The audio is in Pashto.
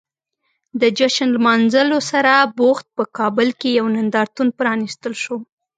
د جشن لمانځلو سره جوخت په کابل کې یو نندارتون پرانیستل شو.